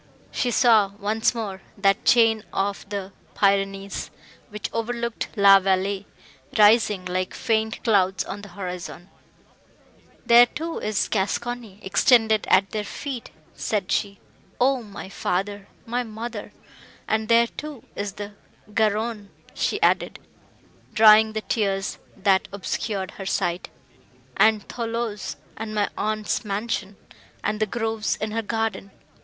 She saw, once more, that chain of the Pyrenees, which overlooked La Vallée, rising, like faint clouds, on the horizon. "There, too, is Gascony, extended at their feet!" said she, "O my father,—my mother! And there, too, is the Garonne!" she added, drying the tears, that obscured her sight,—"and Thoulouse, and my aunt's mansion—and the groves in her garden!